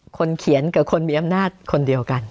คนเขียนกับคนมีอำนาจคนเดียวกัน